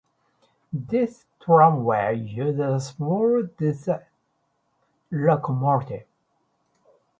This tramway used a small diesel locomotive.